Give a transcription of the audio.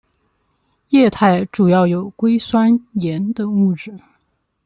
液态主要有硅酸盐等物质。